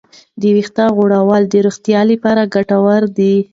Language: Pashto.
ویښتې غوړول د روغتیا لپاره ګټور دي.